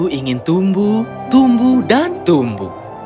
kita ingin tumbuh tumbuh dan tumbuh